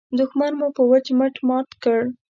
دوښمن مو په وچ مټ مات کړ.